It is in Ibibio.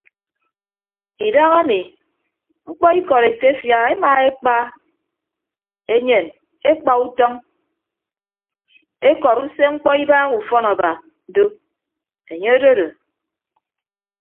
Idahami mkpọ ikọd etefia emaekpa enyen ekpa utọñ ekọrọ usemkpọ ibagha ufọn aba do enye ododo.